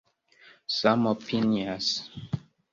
samopinias